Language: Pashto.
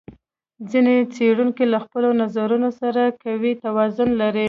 ځینې څېړونکي له خپلو نظرونو سره قوي توازن لري.